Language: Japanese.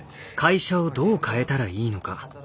会社をどう変えたらいいのか。